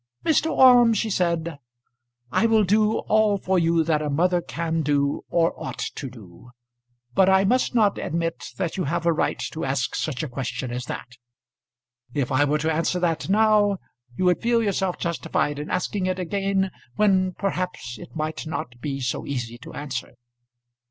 "Mr. Orme," she said, "I will do all for you that a mother can do or ought to do; but I must not admit that you have a right to ask such a question as that. If I were to answer that now, you would feel yourself justified in asking it again when perhaps it might not be so easy to answer."